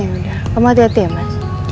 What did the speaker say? yaudah kamu hati hati ya mas